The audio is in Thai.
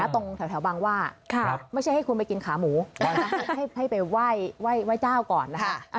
ตรงแถวบางว่าไม่ใช่ให้คุณไปกินขาหมูให้ไปไหว้เจ้าก่อนนะคะ